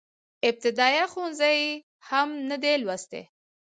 ابتدائيه ښوونځی يې هم نه دی لوستی.